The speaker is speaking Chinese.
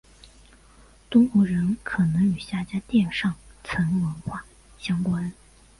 东胡人可能与夏家店上层文化相关。